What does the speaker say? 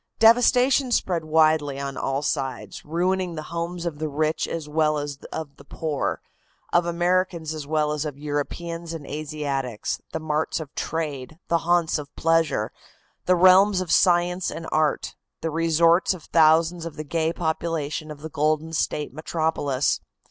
Devastation spread widely on all sides, ruining the homes of the rich as well as of the poor, of Americans as well as of Europeans and Asiatics, the marts of trade, the haunts of pleasure, the realms of science and art, the resorts of thousands of the gay population of the Golden State metropolis.